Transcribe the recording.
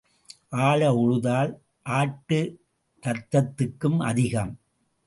ஆழ உழுதால் ஆட்டுரத்துக்கும் அதிகம்.